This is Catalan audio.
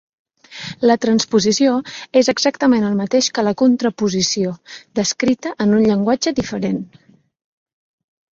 La transposició és exactament el mateix que la contraposició, descrita en un llenguatge diferent.